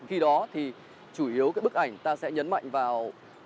khi đó thì chủ yếu cái bức ảnh ta sẽ nhấn mạnh vào